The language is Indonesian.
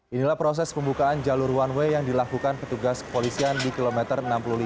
inilah proses pembukaan jalur one way yang dilakukan petugas kepolisian di kilometer enam puluh lima